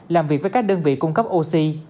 làm việc với các đơn vị cung cấp oxy